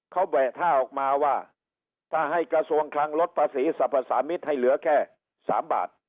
เขาแวะท่าออกมาว่าถ้าให้กระทรวงคลังลดภาษีสรรพสามิตรให้เหลือแค่๓บาท